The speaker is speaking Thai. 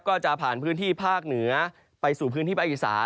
ก็จะผ่านพื้นที่ภาคเหนือไปสู่พื้นที่ภาคอีสาน